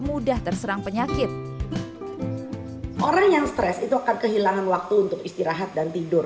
mudah terserang penyakit orang yang stres itu akan kehilangan waktu untuk istirahat dan tidur